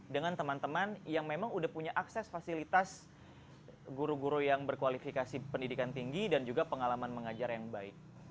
dengan teman teman yang memang udah punya akses fasilitas guru guru yang berkualifikasi pendidikan tinggi dan juga pengalaman mengajar yang baik